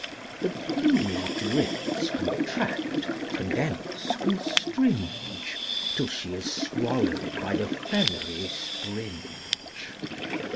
The plumy drifts contract, condense, constringe, Till she is swallowed by the feathery springe.